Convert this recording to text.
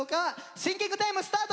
シンキングタイムスタート！